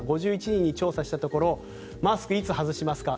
５１人に調査したところマスク、いつ外しますか。